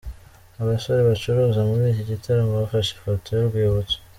Abasore bacuranze muri iki gitaramo bafashe ifoto y'urwibutso.